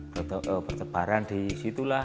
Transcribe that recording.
protokol petebaran disitulah